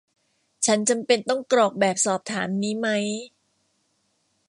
ฉันจำเป็นต้องกรอกแบบสอบถามนี้มั้ย